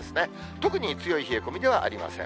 特に強い冷え込みではありません。